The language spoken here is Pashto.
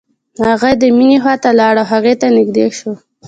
هغه د مينې خواته لاړ او هغې ته نږدې شو.